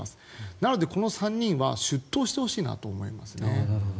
なので、この３人は出頭してほしいなと思いますね。